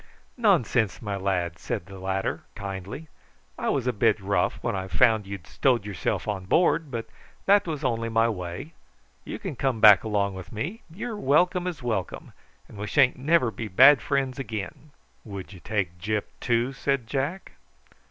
"Nonsense, my lad!" said the latter kindly. "I was a bit rough when I found you'd stowed yourself on board, but that was only my way. You come back along with me: you're welcome as welcome, and we sha'n't never be bad friends again." "Would you take Gyp too?" said Jack.